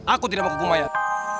aku tidak mau ke kumain